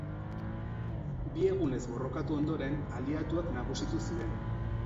Bi egunez borrokatu ondoren aliatuak nagusitu ziren.